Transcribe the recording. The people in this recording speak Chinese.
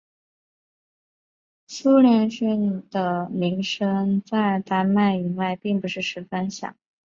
苏连逊的名声在丹麦以外并不是十分响。